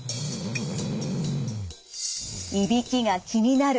いびきが気になる。